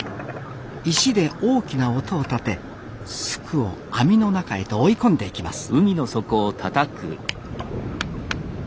石で大きな音を立てスクを網の中へと追い込んでいきます